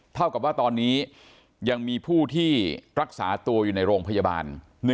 เท่ากับว่าตอนนี้ยังมีผู้ที่รักษาตัวอยู่ในโรงพยาบาล